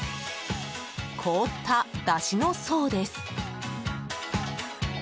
凍っただしの層です。